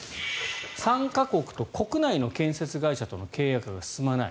参加国と国内の建設会社との契約が進まない。